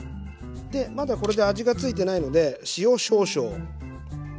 でまだこれで味が付いてないので塩少々。